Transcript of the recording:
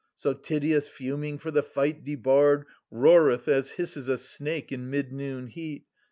So Tydeus, fuming for the fight debarred, 380 Roareth, as hisses a snake in midnoon heat.